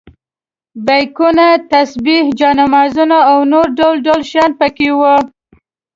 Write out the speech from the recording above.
بیکونه، تسبیح، جاینمازونه او نور ډول ډول شیان په کې وو.